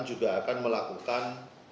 juga akan melakukan